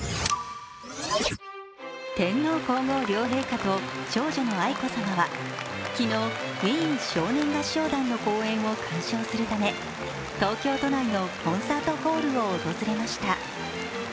天皇皇后両陛下と長女の愛子さまは、ウィーン少年合唱団の公演を鑑賞するため東京都内のコンサートホールを訪れました。